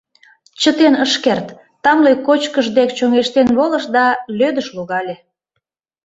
Чытен ыш керт, тамле кочкыш дек чоҥештен волыш да лӧдыш логале.